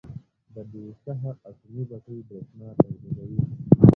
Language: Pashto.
د بوشهر اټومي بټۍ بریښنا تولیدوي.